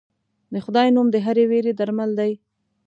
د خدای نوم د هرې وېرې درمل دی.